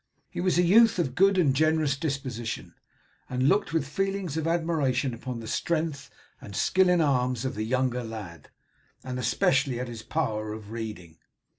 He was a youth of good and generous disposition, and looked with feelings of admiration upon the strength and skill in arms of the younger lad, and especially at his power of reading.